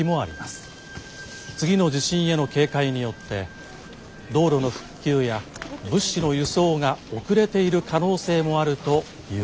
次の地震への警戒によって道路の復旧や物資の輸送が遅れている可能性もあるということです」。